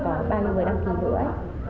hôm nay mới là buổi thứ hai